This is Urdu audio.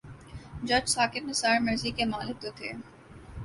جج ثاقب نثار مرضی کے مالک تو تھے۔